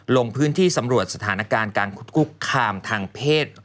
ลงพื้นที่สำรวจสถานการณ์การคุกคามทางเพศ